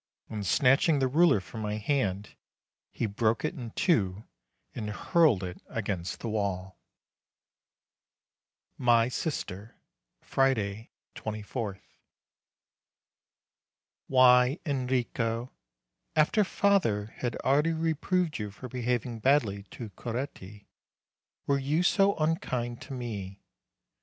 "; and snatching the ruler from my hand, he broke it in two, and hurled it against the wall. MY SISTER 187 MY SISTER Friday, 24th. Why, Enrico, after father had already reproved you for behaving badly to Coretti, were you so unkind to me?